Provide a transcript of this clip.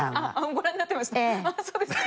ご覧になってましたか？